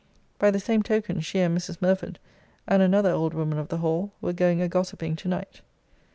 By the same token she and Mrs. Murford and another old woman of the Hall were going a gossiping tonight.